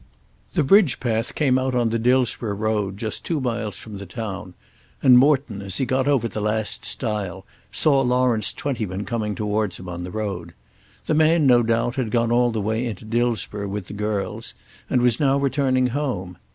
The bridge path came out on the Dillsborough road just two miles from the town, and Morton, as he got over the last stile, saw Lawrence Twentyman coming towards him on the road. The man, no doubt, had gone all the way into Dillsborough with the girls, and was now returning home.